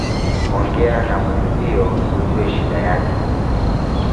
Ongea na mwenzio ujue shida yake